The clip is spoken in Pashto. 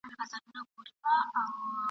زماد قام یې دی لیکلی د مېچن پر پله نصیب دی !.